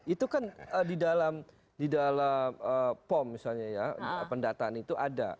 itu kan di dalam pom misalnya ya pendataan itu ada